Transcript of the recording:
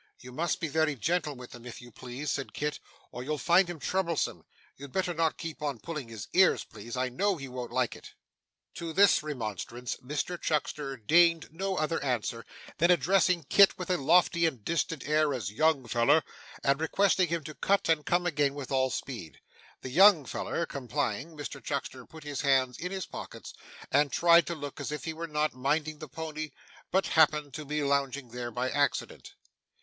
'You must be very gentle with him, if you please,' said Kit, 'or you'll find him troublesome. You'd better not keep on pulling his ears, please. I know he won't like it.' To this remonstrance Mr Chuckster deigned no other answer, than addressing Kit with a lofty and distant air as 'young feller,' and requesting him to cut and come again with all speed. The 'young feller' complying, Mr Chuckster put his hands in his pockets, and tried to look as if he were not minding the pony, but happened to be lounging there by accident.